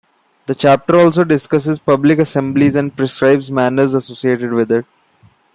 The chapter also discusses public assemblies and prescribes manners associated with it.